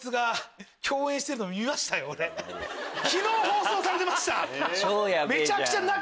昨日放送されてました。